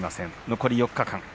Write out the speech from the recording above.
残り４日間。